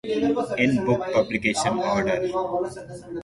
In book publication order.